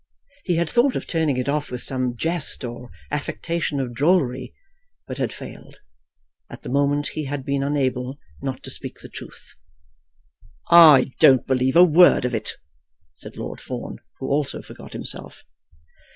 He had thought of turning it off with some jest or affectation of drollery, but had failed. At the moment he had been unable not to speak the truth. "I don't believe a word of it," said Lord Fawn, who also forgot himself.